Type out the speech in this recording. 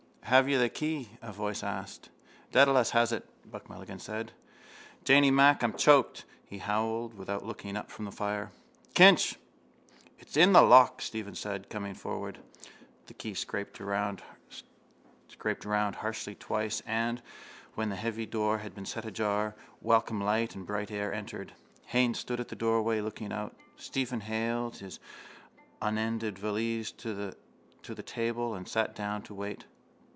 —Have you the key? a voice asked. —Dedalus has it, Buck Mulligan said. Janey Mack, I'm choked! He howled, without looking up from the fire: —Kinch! —It's in the lock, Stephen said, coming forward. The key scraped round harshly twice and, when the heavy door had been set ajar, welcome light and bright air entered. Haines stood at the doorway, looking out. Stephen haled his upended valise to the table and sat down to wait.